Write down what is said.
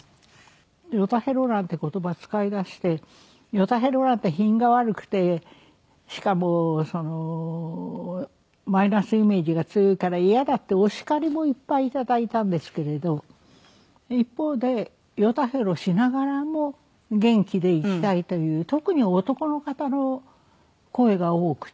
「ヨタヘロ」なんて言葉使いだして「ヨタヘロ」なんて品が悪くてしかもそのマイナスイメージが強いからイヤだってお叱りもいっぱいいただいたんですけれど一方でヨタヘロしながらも元気で生きたいという特に男の方の声が多くて。